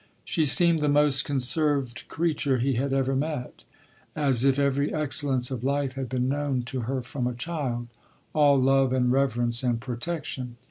She seemed the most conserved creature he had ever met, as if every excellence of life had been known to her from a child—all love and reverence and protection.